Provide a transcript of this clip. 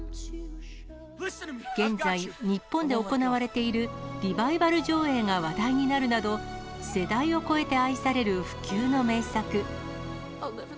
現在、日本で行われているリバイバル上映が話題になるなど、世代を超えて愛される不朽の名作。